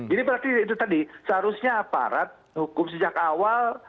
jadi berarti itu tadi seharusnya aparat hukum sejak awal